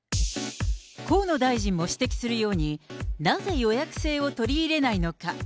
河野大臣も指摘するように、なぜ予約制を取り入れないのか。